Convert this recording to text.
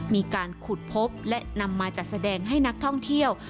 มีการขุดพบและนำมาจัดแสดงให้นักท่องเที่ยว